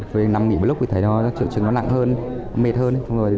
về năm nghỉ